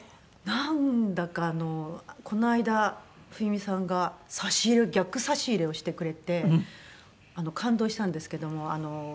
なんだかあのこの間冬美さんが差し入れを逆差し入れをしてくれて感動したんですけども。